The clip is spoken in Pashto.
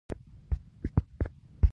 خوب د خیالاتو پاکولو لپاره اړین دی